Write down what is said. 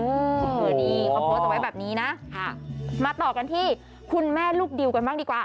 โอ้โหนี่อธิษฐานเอาไปแบบนี้นะค่ะมาต่อกันที่คุณแม่ลูกดิวกันบ้างดีกว่า